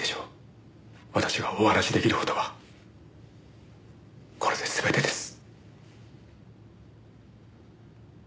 私がお話し出来る事はこれで全てです。